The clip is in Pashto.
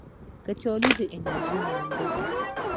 کچالو د انرژۍ منبع ده